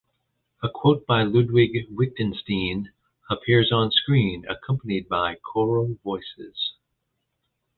A quote by Ludwig Wittgenstein appears onscreen accompanied by choral voices.